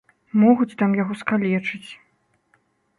Могуць там яго скалечыць.